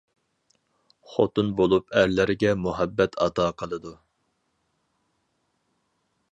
خوتۇن بولۇپ ئەرلەرگە مۇھەببەت ئاتا قىلىدۇ.